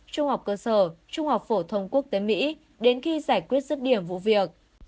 trung học cơ sở trung học phổ thông quốc tế mỹ đến khi giải quyết rứt điểm vụ việc